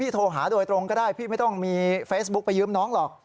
โทรหาโดยตรงก็ได้พี่ไม่ต้องมีเฟซบุ๊กไปยืมน้องหรอก